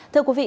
thưa quý vị